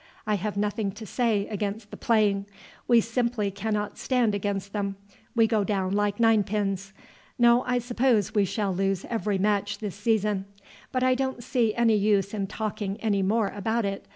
I have nothing to say against the playing. We simply cannot stand against them; we go down like nine pins. No, I suppose we shall lose every match this season. But I don't see any use in talking any more about it.